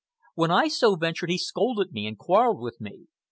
When I so ventured, he scolded me and quarrelled with me.